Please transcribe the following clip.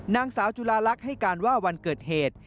นางสาวจุลาลักษณ์ให้การว่าวันเกิดเหตุ